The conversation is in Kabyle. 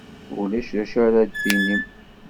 Ulac d acu ara d-tinim.